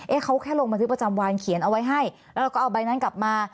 เขาแค่ลงบันทึกประจำวันเขียนเอาไว้ให้แล้วเราก็เอาใบนั้นกลับมา